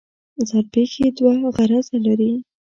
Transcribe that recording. ځان پېښې دوه غرضه لري.